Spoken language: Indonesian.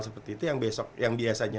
seperti itu yang besok yang biasanya